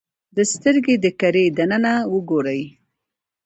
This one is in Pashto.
د سترګې د کرې دننه وګورئ.